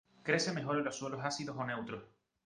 Crece mejor en los suelos ácidos o neutros.